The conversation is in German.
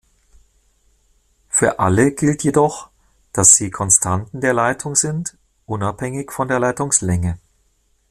Für alle gilt jedoch, dass sie Konstanten der Leitung sind, unabhängig von der Leitungslänge.